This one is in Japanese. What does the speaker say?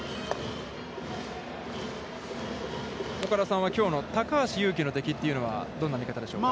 岡田さんは、きょうの高橋優貴のできというのは、どんな見方でしょうか。